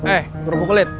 eh kerupuk kulit